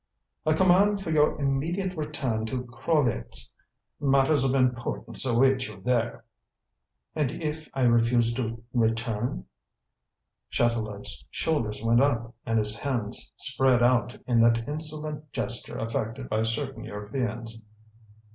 "A command for your immediate return to Krolvetz. Matters of importance await you there." "And if I refuse to return?" Chatelard's shoulders went up and his hands spread out in that insolent gesture affected by certain Europeans.